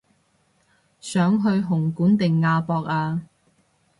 想去紅館定亞博啊